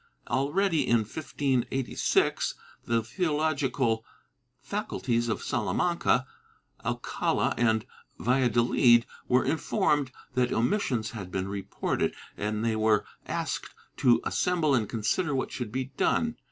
Already, in 1586, the theological faculties of Salamanca, Alcala and Valladolid were informed that omissions had been reported, and they were asked to assemble and consider what should be done.